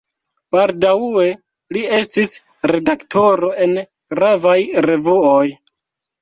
Baldaŭe li estis redaktoro en gravaj revuoj.